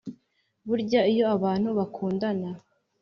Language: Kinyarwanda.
burya iyo abantu bakundana